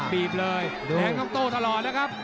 บีบเลยแดงต้องโต้ตลอดนะครับ